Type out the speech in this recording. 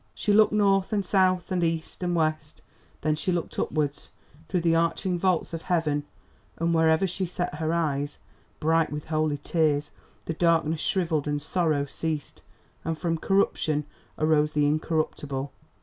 She looked north and south and east and west, then she looked upwards through the arching vaults of heaven, and wherever she set her eyes, bright with holy tears, the darkness shrivelled and sorrow ceased, and from corruption arose the Incorruptible.